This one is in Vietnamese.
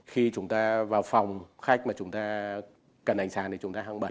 khi chúng ta vào phòng khách mà chúng ta cần ảnh sản thì chúng ta hãng bật